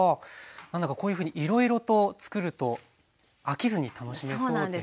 何だかこういうふうにいろいろとつくると飽きずに楽しめそうですね。